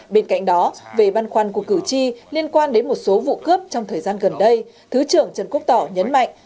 bên cạnh đó về băn khoăn của cử tri liên quan đến một số vụ cướp trong thời gian gần đây thứ trưởng trần quốc tỏ nhấn mạnh